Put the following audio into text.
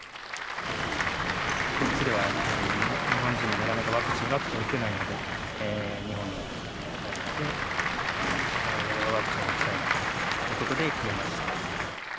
こっちでは日本人がなかなかワクチン打てないので、日本に帰ってワクチンを打ちたいなということで、決めました。